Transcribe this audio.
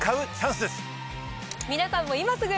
皆さんも今すぐ。